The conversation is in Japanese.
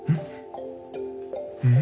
うん？